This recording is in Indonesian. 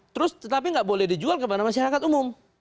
terus tetapi nggak boleh dijual kepada masyarakat umum